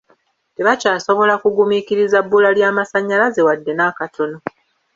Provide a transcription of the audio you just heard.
Tebakyasobola kugumiikiriza bbula lya masannyalaze wadde n'akatono.